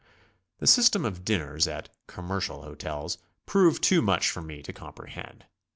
The system of dinners at "commercial" hotels proved too much for me to comprehend.